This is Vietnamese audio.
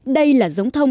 đây là giống thông cỏ